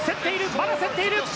まだ競っている。